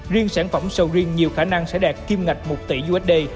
riêng sản phẩm sầu riêng nhiều khả năng sẽ đạt kim ngạch một tỷ usd